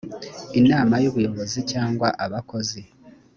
inama y ubuyobozi cyangwa abakozi